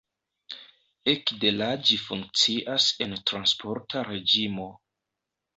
Ekde la ĝi funkcias en transporta reĝimo.